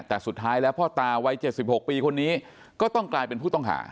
แต่สุดท้ายแล้วพ่อตาวัย๗๖ปีคนนี้ก็ต้องกลายเป็นผู้ต้องหา